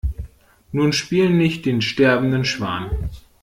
Nun spiel nicht den sterbenden Schwan.